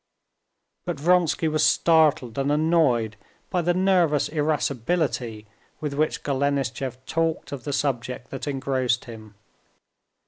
But Vronsky was startled and annoyed by the nervous irascibility with which Golenishtchev talked of the subject that engrossed him.